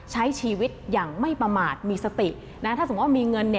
ใช้ชีวิตอย่างไม่ประมาทมีสตินะถ้าสมมุติว่ามีเงิน